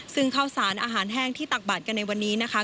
ซึ่งข้าวสารอาหารแห้งที่ตักบาดกันในวันนี้นะคะ